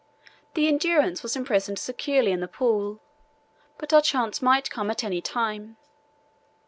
The Endurance was imprisoned securely in the pool, but our chance might come at any time.